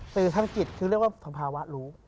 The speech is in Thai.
สื่อทางจิตคือเรียกว่าสภาวะรู้